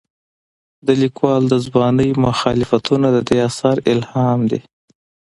د لیکوال د ځوانۍ مخالفتونه د دې اثر الهام دي.